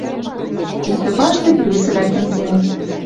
Иктӹ паштек весӹ лӓктӹн кенӹт